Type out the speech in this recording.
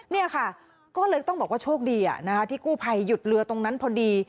นี่ค่ะก็เลยต้องบอกว่าโชคดีที่กู้ภัยหยุดเรือตรงนั้นพอดี